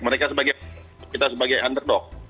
mereka kita sebagai underdog